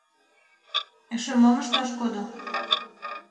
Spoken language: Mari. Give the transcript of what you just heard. Эше мом ышташ кодо?